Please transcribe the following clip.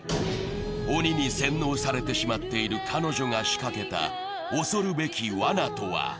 鬼に洗脳されてしまっている彼女が仕掛けた恐るべきわなとは。